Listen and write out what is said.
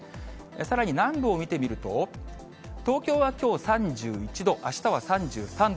さらに南部を見てみると、東京はきょう３１度、あしたは３３度。